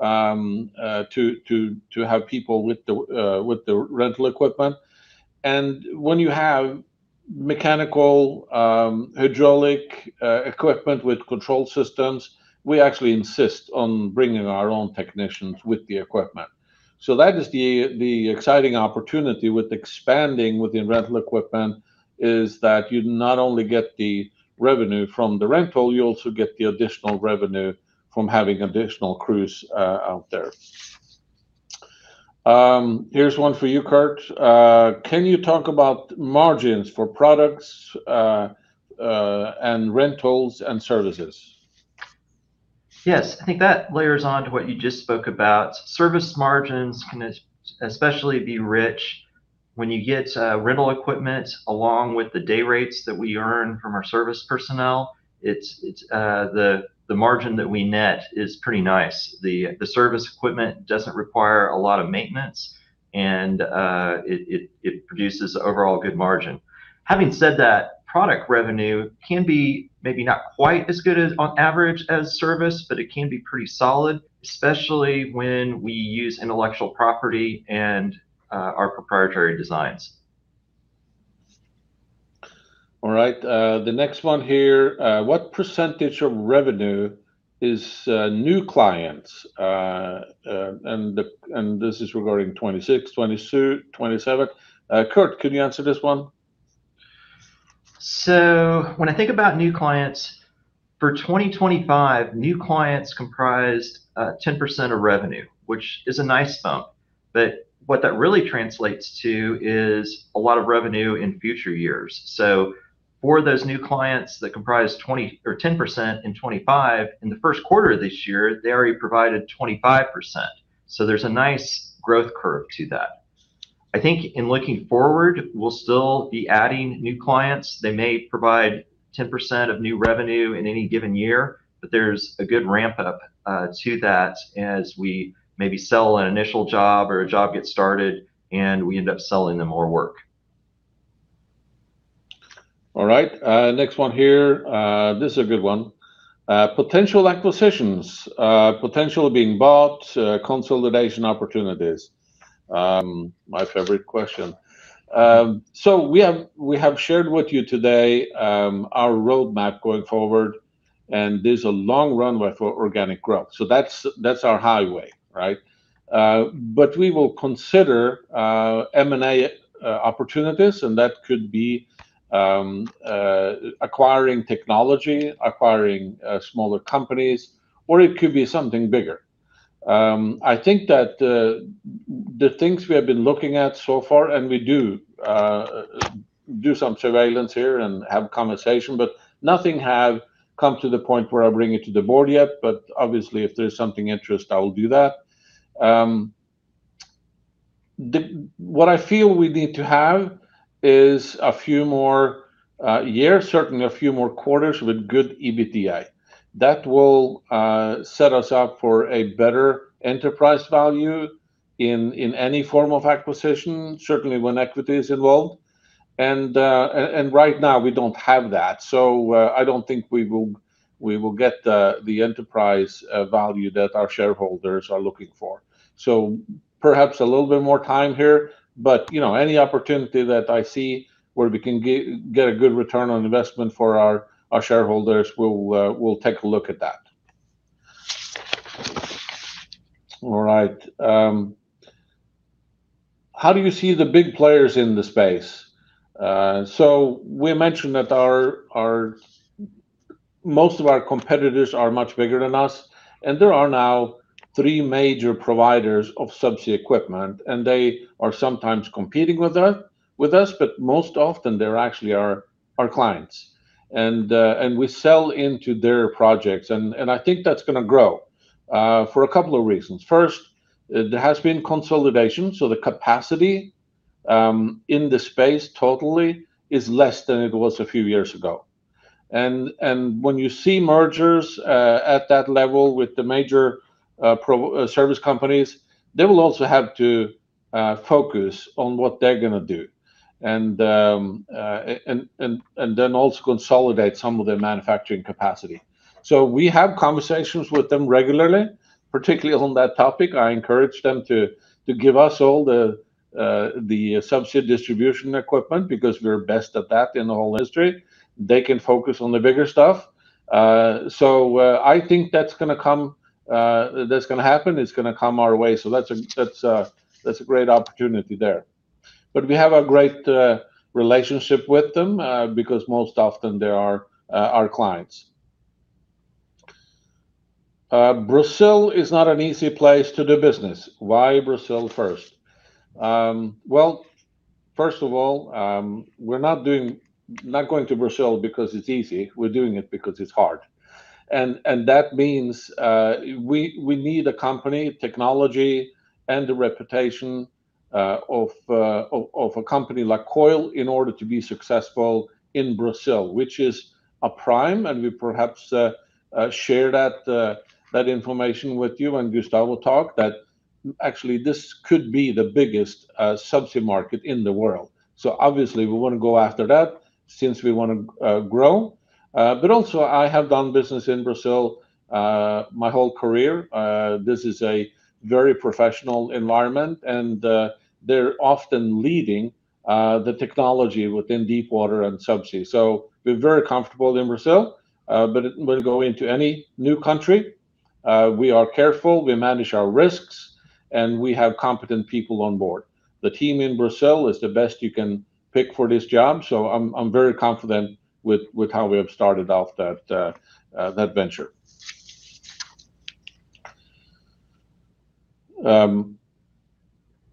to have people with the rental equipment. When you have mechanical, hydraulic, equipment with control systems, we actually insist on bringing our own technicians with the equipment. That is the exciting opportunity with expanding within rental equipment, is that you not only get the revenue from the rental, you also get the additional revenue from having additional crews out there. Here's one for you, Kurt. Can you talk about margins for products and rentals and services? Yes. I think that layers onto what you just spoke about. Service margins can especially be rich when you get rental equipment along with the day rates that we earn from our service personnel. It's the margin that we net is pretty nice. The service equipment doesn't require a lot of maintenance, and it produces overall good margin. Having said that, product revenue can be maybe not quite as good as on average as service, but it can be pretty solid, especially when we use intellectual property and our proprietary designs. All right, the next one here. What percentage of revenue is new clients? This is regarding 2026, 2027. Kurt, could you answer this one? When I think about new clients, for 2025, new clients comprised 10% of revenue, which is a nice bump. What that really translates to is a lot of revenue in future years. For those new clients that comprise 10% in 2025, in the first quarter of this year, they already provided 25%. There's a nice growth curve to that. I think in looking forward, we'll still be adding new clients. They may provide 10% of new revenue in any given year, there's a good ramp up to that as we maybe sell an initial job or a job gets started and we end up selling them more work. All right, next one here. This is a good one. Potential acquisitions, potential of being bought, consolidation opportunities. My favorite question. We have shared with you today, our roadmap going forward, and there's a long runway for organic growth. That's, that's our highway, right? We will consider M&A opportunities, and that could be acquiring technology, acquiring smaller companies, or it could be something bigger. I think that the things we have been looking at so far, and we do some surveillance here and have conversation, but nothing have come to the point where I bring it to the board yet. Obviously, if there's something interest, I will do that. What I feel we need to have is a few more years, certainly a few more quarters with good EBITDA. That will set us up for a better enterprise value in any form of acquisition, certainly when equity is involved. Right now we don't have that. I don't think we will get the enterprise value that our shareholders are looking for. Perhaps a little bit more time here, but you know, any opportunity that I see where we can get a good return on investment for our shareholders, we'll take a look at that. All right. How do you see the big players in the space? We mentioned that most of our competitors are much bigger than us, and there are now three major providers of subsea equipment, and they are sometimes competing with us, but most often they're actually our clients. We sell into their projects, and I think that's gonna grow for a couple of reasons. First, there has been consolidation, so the capacity in the space totally is less than it was a few years ago. When you see mergers at that level with the major service companies, they will also have to focus on what they're gonna do, and then also consolidate some of their manufacturing capacity. We have conversations with them regularly, particularly on that topic. I encourage them to give us all the subsea distribution equipment, because we're best at that in the whole industry. They can focus on the bigger stuff. I think that's gonna come, that's gonna happen. It's gonna come our way. That's a great opportunity there. We have a great relationship with them, because most often they are our clients. Brazil is not an easy place to do business. Why Brazil first? Well, first of all, we're not going to Brazil because it's easy. We're doing it because it's hard. That means we need a company, technology, and the reputation of a company like Koil in order to be successful in Brazil, which is a prime, and we perhaps share that information with you when Gustavo talk, that actually this could be the biggest subsea market in the world. Obviously we wanna go after that since we wanna grow. Also I have done business in Brazil my whole career. This is a very professional environment, and they're often leading the technology within deep water and subsea. We're very comfortable in Brazil, when going into any new country, we are careful, we manage our risks, and we have competent people on board. The team in Brazil is the best you can pick for this job. I'm very confident with how we have started off that venture.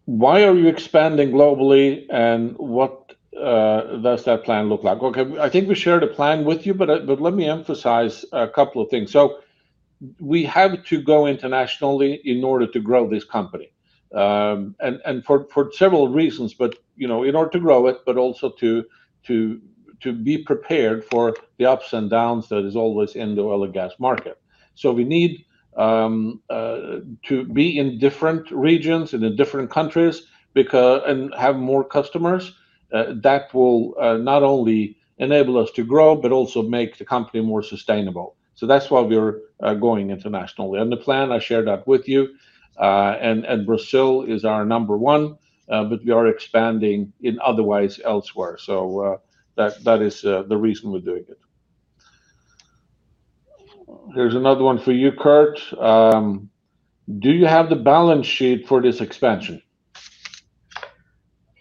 Why are you expanding globally, and what does that plan look like? Okay. I think we shared a plan with you, let me emphasize a couple of things. We have to go internationally in order to grow this company. For several reasons, but, you know, in order to grow it, but also to be prepared for the ups and downs that is always in the oil and gas market. We need to be in different regions and in different countries and have more customers. That will not only enable us to grow, but also make the company more sustainable. That's why we're going internationally. The plan, I shared that with you. Brazil is our number one, we are expanding in otherwise elsewhere. That is the reason we're doing it. Here's another one for you, Kurt. Do you have the balance sheet for this expansion?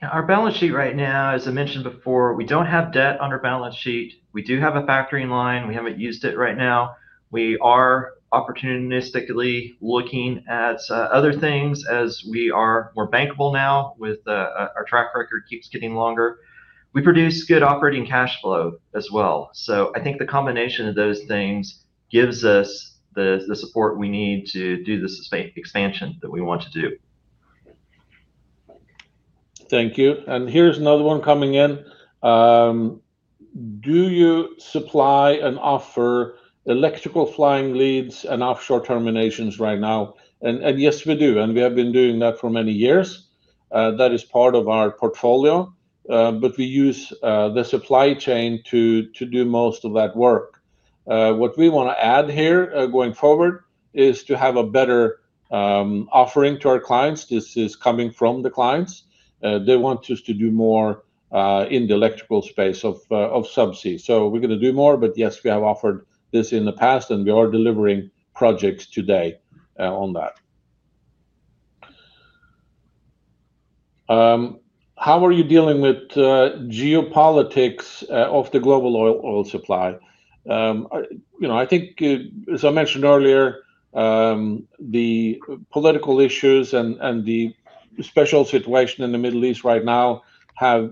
Yeah, our balance sheet right now, as I mentioned before, we don't have debt on our balance sheet. We do have a factoring line. We haven't used it right now. We are opportunistically looking at other things as we are more bankable now with our track record keeps getting longer. We produce good operating cash flow as well. I think the combination of those things gives us the support we need to do this expansion that we want to do. Thank you. Here's another one coming in. Do you supply and offer electrical flying leads and offshore terminations right now? Yes, we do, and we have been doing that for many years. That is part of our portfolio. We use the supply chain to do most of that work. What we want to add here going forward is to have a better offering to our clients. This is coming from the clients. They want us to do more in the electrical space of subsea. We're going to do more, but yes, we have offered this in the past, and we are delivering projects today on that. How are you dealing with geopolitics of the global oil supply? You know, I think, as I mentioned earlier, the political issues and the special situation in the Middle East right now have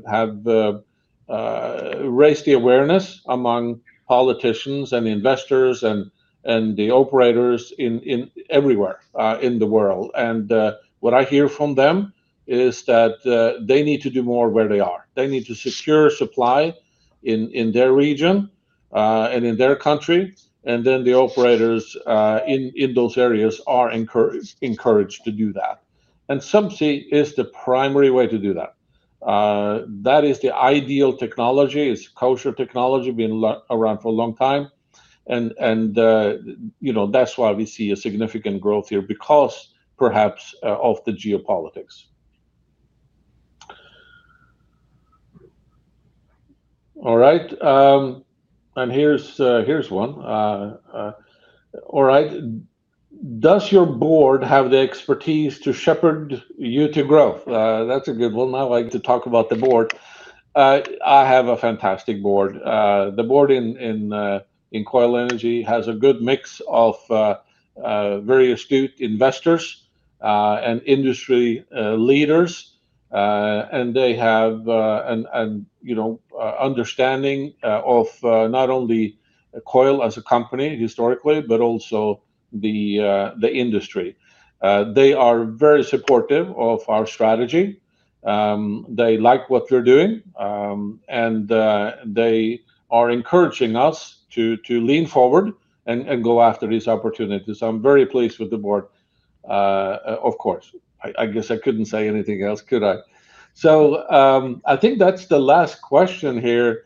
raised the awareness among politicians and investors and the operators everywhere in the world. What I hear from them is that they need to do more where they are. They need to secure supply in their region and in their country, and then the operators in those areas are encouraged to do that. Subsea is the primary way to do that. That is the ideal technology. It's [offshore] technology, been around for a long time. You know, that's why we see a significant growth here because perhaps of the geopolitics. All right, here's one. All right. Does your board have the expertise to shepherd you to growth? That's a good one. I like to talk about the board. I have a fantastic board. The board in Koil Energy has a good mix of very astute investors and industry leaders. They have an, you know, understanding of not only Koil as a company historically, but also the industry. They are very supportive of our strategy. They like what we're doing. They are encouraging us to lean forward and go after these opportunities. I'm very pleased with the board. Of course, I guess I couldn't say anything else, could I? I think that's the last question here.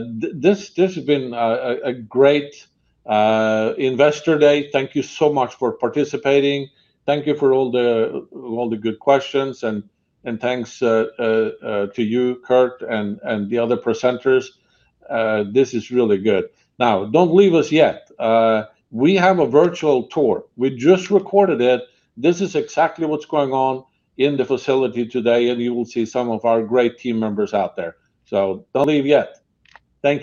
This has been a great investor day. Thank you so much for participating. Thank you for all the good questions, and thanks to you, Kurt, and the other presenters. This is really good. Now, don't leave us yet. We have a virtual tour. We just recorded it. This is exactly what's going on in the facility today, and you will see some of our great team members out there. Don't leave yet. Thank you.